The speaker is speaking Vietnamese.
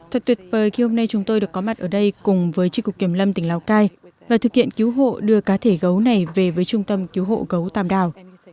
thật tuyệt vời khi hôm nay chúng tôi được có mặt ở đây cùng với tri cục kiểm lâm tỉnh lào cai và thực hiện cứu hộ đưa cá thể gấu này về với trung tâm cứu hộ gấu tàm đào